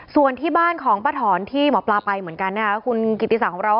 ส่วนที่บ้านของป้าถอนที่หมอปลาไปเหมือนกันนะคะคุณกิติศักดิ์ของเรา